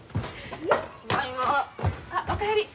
あお帰り。